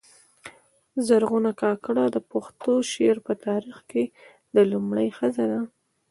زرغونه کاکړه د پښتو شعر په تاریخ کښي دا لومړۍ ښځه ده.